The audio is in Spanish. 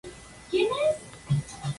Tiene dos hermanos menores, Sam y Jamie.